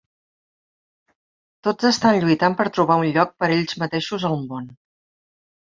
Tots estan lluitant per trobar un lloc per ells mateixos al món.